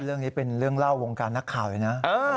เรื่องนี้เป็นเรื่องเล่าวงการนักข่าวเลยนะ